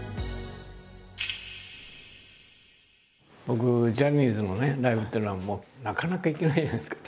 僕ジャニーズのライブっていうのはなかなか行けないじゃないですか？